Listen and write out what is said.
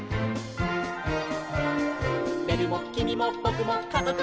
「べるもきみもぼくもかぞくも」